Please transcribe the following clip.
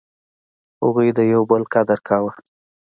هغوی د یو بل قدر کاوه.